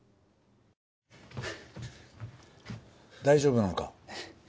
大丈夫なのか？